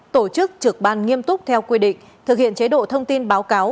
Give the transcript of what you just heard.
tổ chức trực ban nghiêm túc theo quy định thực hiện chế độ thông tin báo cáo